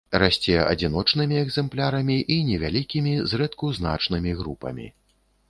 Расце адзіночнымі экзэмплярамі і невялікімі, зрэдку значнымі групамі.